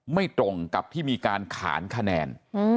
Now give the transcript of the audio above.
ไม่ตรงกับที่มีการขานคะแนน